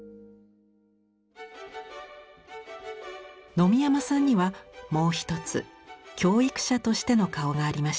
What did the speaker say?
野見山さんにはもう一つ教育者としての顔がありました。